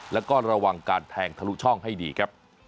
แล้วก็ระวังการแทงทะลุช่องให้ดีครับ